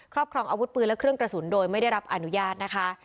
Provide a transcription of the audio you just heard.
ครองอาวุธปืนและเครื่องกระสุนโดยไม่ได้รับอนุญาตนะคะ